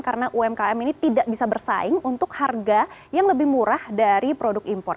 karena umkm ini tidak bisa bersaing untuk harga yang lebih murah dari produk impor